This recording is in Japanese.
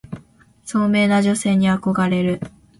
聡明な女性に憧れる